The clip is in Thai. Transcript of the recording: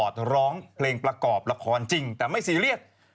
ร้องเพลงประกอบละครจริงแต่ไม่ซีเรียส